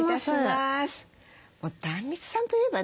もう壇蜜さんといえばね